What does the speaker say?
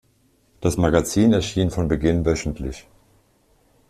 Das Magazin erschien von Beginn wöchentlich.